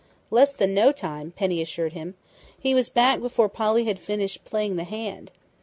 "Less than no time," Penny assured him. "He was back before Polly had finished playing the hand.